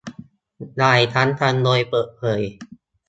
หลายครั้งทำโดยเปิดเผย